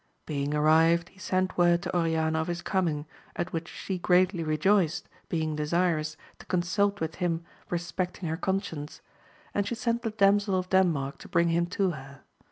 Being arrived, he sent word to Oriana of his coming, at which she greatly rejoiced, being desirous to consult with him respecting her conscience ; and she sent the Damsel of Denmark to bring him to her.